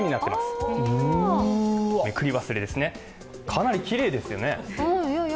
かなりきれいですよね。